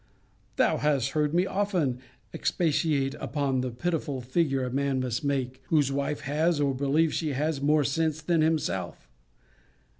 Thou hast heard me often expatiate upon the pitiful figure a man must make, whose wife has, or believes she has, more sense than himself.